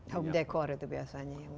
home decor itu biasanya